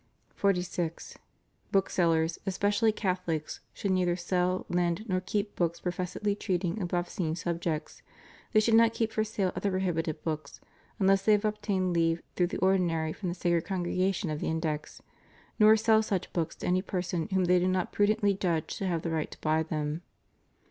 46. Booksellers, especially Catholics, should neither sell, lend, nor keep books professedly treating of obscene sub jects. They should iiot keep for sale other prohibited books, unless they have obtained leave through the or dinary from the Sacred Congregation of the Index; nor sell such books to any person whom they do not prudently judge to have the right to buy them.